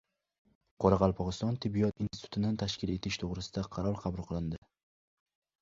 Qoraqalpog‘iston tibbiyot institutini tashkil etish to‘g‘risida qaror qabul qilindi